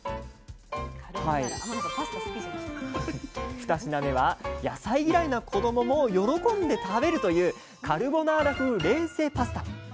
二品目は野菜嫌いな子どもも喜んで食べるというカルボナーラ風冷製パスタ。